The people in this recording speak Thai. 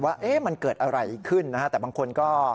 ว่ามันเกิดอะไรขึ้นนะฮะแต่บางคนก็